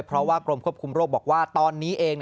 เพราะว่ากรมควบคุมโรคบอกว่าตอนนี้เอง